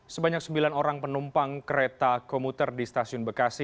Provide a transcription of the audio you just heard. sebanyak sembilan orang penumpang kereta komuter di stasiun bekasi